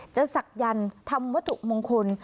ศักยันต์ทำวัตถุมงคล